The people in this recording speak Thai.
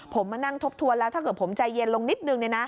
ผมมานั่งทบทวนแล้วถ้าเกิดผมใจเย็นลงนิดนึง